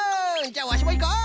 じゃあわしもいこう！